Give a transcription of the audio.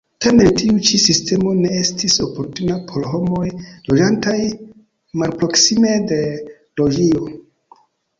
Tamen tiu ĉi sistemo ne estis oportuna por homoj loĝantaj malproksime de loĝio.